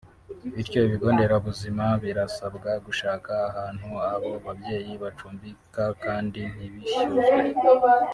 bityo ibigo nderabuzima birasabwa gushaka ahantu abo babyeyi bacumbika kandi ntibishyuzwe